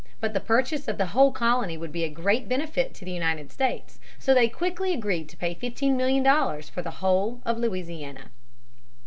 But the purchase of the whole colony would be a great benefit to the United States. So they quickly agreed to pay fifteen million dollars for the whole of Louisiana.